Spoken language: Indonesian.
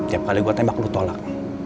tiap kali gue tembak lu tolak